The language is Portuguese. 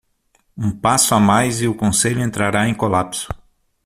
Um passo a mais e o conselho entrará em colapso.